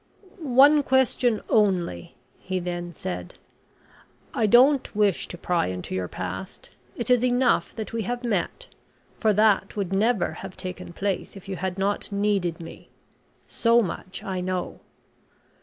"One question only," he then said; "I don't wish to pry into your past. It is enough that we have met for that would never have taken place if you had not needed me. So much I know.